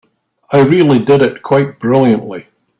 I really did it quite brilliantly.